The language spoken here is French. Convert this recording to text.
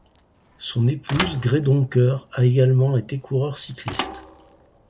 Son épouse Gre Donker a également été coureur cycliste.